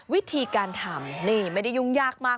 วิธีการทำนี่ไม่ได้ยุ่งยากมาก